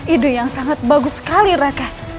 ide yang sangat bagus sekali raka